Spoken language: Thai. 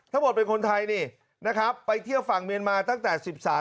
ทั้งหมดเป็นคนไทยนี่นะครับไปเที่ยวฝั่งเมียนมาตั้งแต่สิบสาม